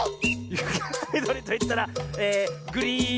「ゆかがみどりといったらグリーンのおうち！」